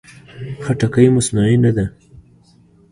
خټکی مصنوعي نه ده.